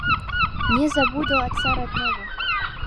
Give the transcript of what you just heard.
— «Не забуду Отца родного!»